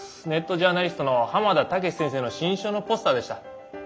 ネットジャーナリストの浜田剛志先生の新書のポスターでした。